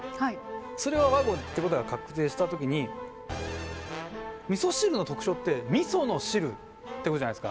それが和語ってことが確定した時に「味噌汁」の特徴って「味噌」の「汁」ってことじゃないですか。